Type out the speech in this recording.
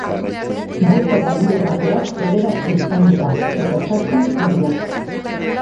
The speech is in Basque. Boto baliogabeak bederatzi izan dira eta zazpi zuriak.